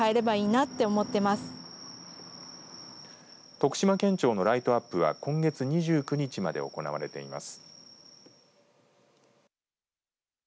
徳島県庁のライトアップは今月２９日まで行われています。